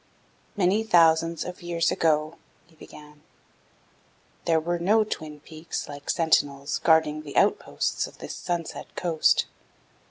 "Many thousands of years ago," he began, "there were no twin peaks like sentinels guarding the outposts of this sunset coast.